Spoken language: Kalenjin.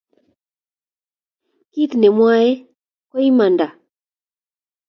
Kit ne amwoe ko imanda